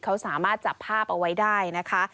เขาสามารถจับภาพเอาไว้ได้นะคะ